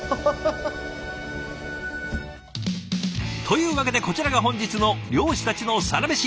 というわけでこちらが本日の漁師たちのサラメシ。